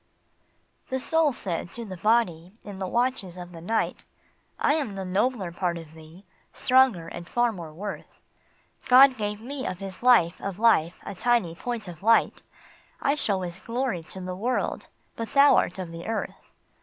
JHE Soul said to the Body, in the watches of the night :" I am the nobler part of thee, stronger and far more worth. God gave me of his life of life a tiny point of light ; I show his glory to the world, but thou art of the earth."